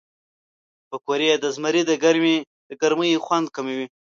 پکورې د زمري د ګرمۍ خوند کموي